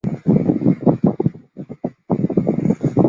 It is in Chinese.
尚不清楚这两个是否为严格子集。